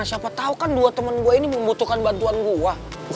siapa tahu kan dua temen gue ini membutuhkan bantuan gue